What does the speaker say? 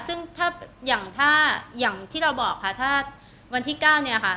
ซึ่งถ้าอย่างถ้าอย่างที่เราบอกค่ะถ้าวันที่๙เนี่ยค่ะ